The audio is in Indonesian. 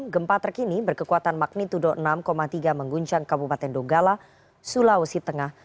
gempa terkini berkekuatan magnitudo enam tiga mengguncang kabupaten donggala sulawesi tengah